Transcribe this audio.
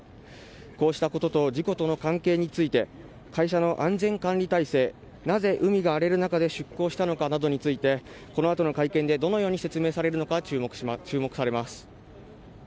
こうしたことと事故との関係について会社の安全管理体制なぜ海が荒れる中で出航したのかなどについてこのあとの会見でどのように説明されるのか注目されます。